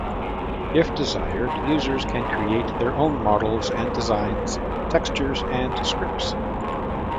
If desired, users can create their own models and designs, textures, and scripts.